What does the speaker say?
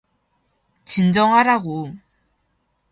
진정하라고.